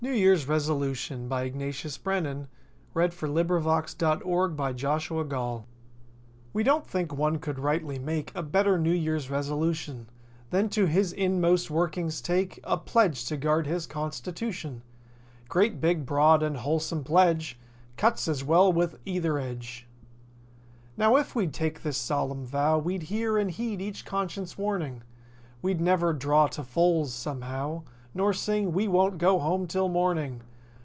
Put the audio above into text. e there is, well set it seems. And that blest hope, sweetheart, is you. NEW YEAR'S RESOLUTION We don't think one could rightly make A better New Year's resolution Than to his inmost workings take A pledge to guard his constitution. Great big, broad and wholesome pledge! "Cuts as well with either edge." Now, if we'd take this solemn vow We'd hear and heed each conscience warning. We'd never "draw to fulls," somehow. Nor sing "We won't go home 'till morning."